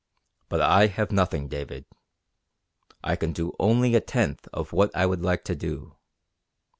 "But I have nothing, David. I can do only a tenth of what I would like to do.